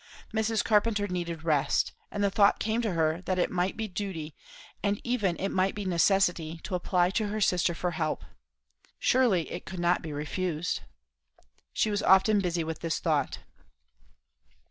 Mrs. Carpenter needed rest; she knew it; and the thought came to her that it might be duty, and even it might be necessity, to apply to her sister for help. Surely it could not be refused? She was often busy with this thought.